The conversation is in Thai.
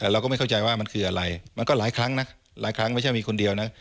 แต่เราก็ไม่เข้าใจว่ามันคืออะไรมันก็หลายครั้งนะหลายครั้งไม่ใช่มีคนเดียวนะ